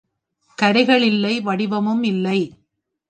கரைகள் இல்லை வடிவமும் இல்லை